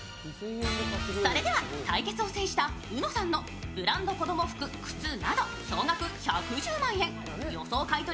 それでは対決を制したうのさんのブランド子供服靴など総額１１０万円、予想買取